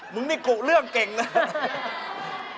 มึงนี่กุเรื่องเก่งเลย